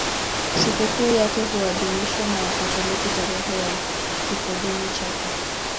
Sikukuu yake huadhimishwa na Wakatoliki tarehe ya kifodini chake.